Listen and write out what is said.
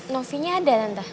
novinya ada tante